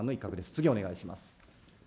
次お願いします。